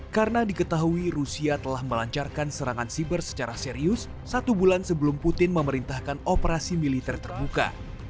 karena diketahui rusia telah melancarkan serangan siber secara serius satu bulan sebelum putin memerintahkan operasi militer terbuka